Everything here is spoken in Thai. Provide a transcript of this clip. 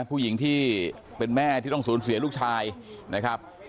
ผู้หญิงที่เป็นแม่ที่ต้องสูญเสียลูกชายนะครับ